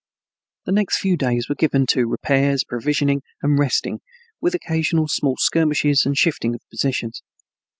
The next few days were given to repairs, provisioning, and resting, with occasional small skirmishes and shifting of positions.